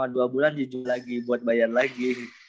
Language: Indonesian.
dua bulan dijual lagi buat bayar lagi